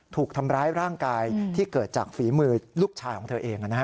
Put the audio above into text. ถูกทำร้ายร่างกายที่เกิดจากฝีมือลูกชายของเธอเอง